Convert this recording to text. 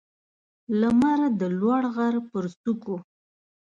لمر د لوړ غر پر څوکو